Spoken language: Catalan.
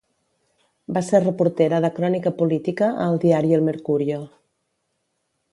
Va ser reportera de crònica política al diari El Mercurio.